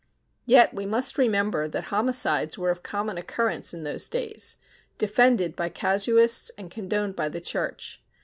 Yet we must remember that homicides were of common occurrence in those days, defended by casuists and condoned by the Church.